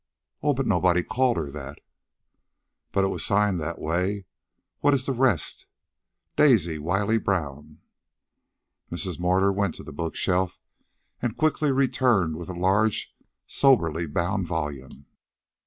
"Oh, but nobody called her that." "But she signed it that way. What is the rest?" "Daisy Wiley Brown." Mrs. Mortimer went to the bookshelves and quickly returned with a large, soberly bound volume.